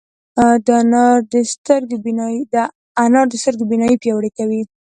انار د سترګو بینايي پیاوړې کوي.